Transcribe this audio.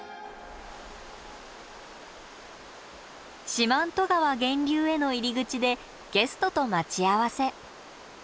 四万十川源流への入り口でゲストと待ち合わせ。